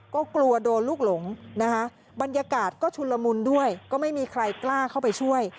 ก็กลัวโดนลูกหลงนะคะบรรยากาศก็ชุนละมุนด้วยก็ไม่มีใครกล้าเข้าไปช่วย